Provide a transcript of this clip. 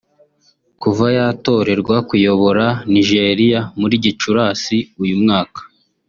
Kuva yatorerwa kuyobora Nigeria muri Gicurasi uyu mwaka